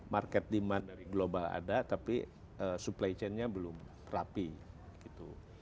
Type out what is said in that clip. market demand global ada tapi supply chainnya belum rapi gitu